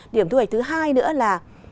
điểm thu hoạch thứ hai nữa là